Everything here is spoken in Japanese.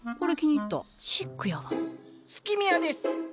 スキミアです。